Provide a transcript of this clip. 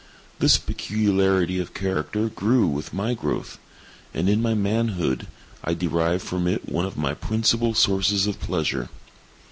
This peculiarity of character grew with my growth, and in my manhood, I derived from it one of my principal sources of pleasure.